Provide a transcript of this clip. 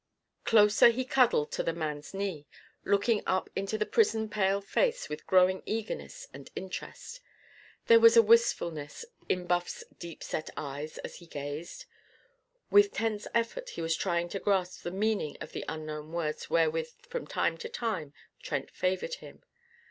Closer he cuddled to the man's knee, looking up into the prison pale face with growing eagerness and interest. There was a wistfulness in Buff's deep set eyes as he gazed. With tense effort he was trying to grasp the meaning of the unknown words wherewith from time to time Trent favoured him.